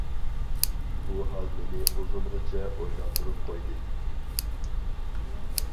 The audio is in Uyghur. بۇ ھال مېنى ئۇزۇنغىچە ئويلاندۇرۇپ قويدى.